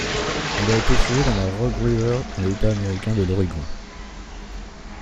Il a été trouvé dans la Rogue River dans l'État américain de l'Oregon.